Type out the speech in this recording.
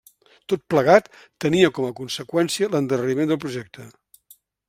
Tot plegat tenia com a conseqüència l'endarreriment del projecte.